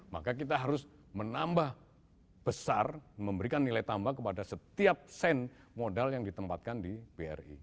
maka kita harus menambah besar memberikan nilai tambah kepada setiap sen modal yang ditempatkan di bri